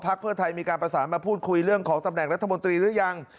เพื่อไทยมีการประสานมาพูดคุยเรื่องของตำแหน่งรัฐมนตรีหรือยัง